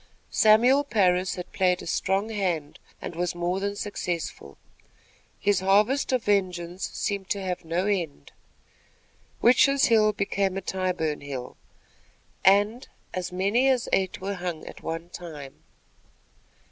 Samuel Parris had played a strong hand and was more than successful. His harvest of vengeance seemed to have no end. Witches' Hill became a Tyburn hill, and as many as eight were hung at one time.